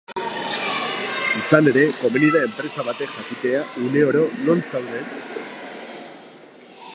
Izan ere, komeni da enpresa batek jakitea une oro non zauden?